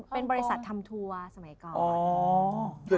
เป็นบริษัททำทัวร์สมัยก่อน